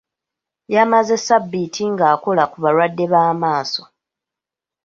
Yamaze ssabbiiti ng'akola ku balwadde b'amaaso.